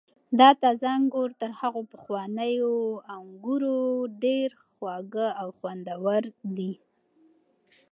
دا تازه انګور تر هغو پخوانیو انګور ډېر خوږ او خوندور دي.